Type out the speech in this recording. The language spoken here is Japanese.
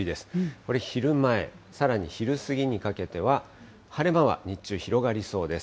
これ、昼前、さらに昼過ぎにかけては、晴れ間は日中、広がりそうです。